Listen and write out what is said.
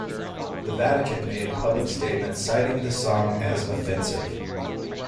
The Vatican made a public statement citing the song as offensive.